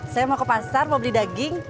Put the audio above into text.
saya mau ke pasar mau beli daging